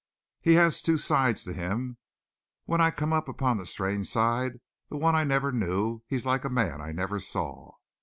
He has two sides to him. When I come upon that strange side, the one I never knew, he's like a man I never saw.